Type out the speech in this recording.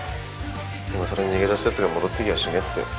今更逃げ出したやつが戻ってきやしねぇって。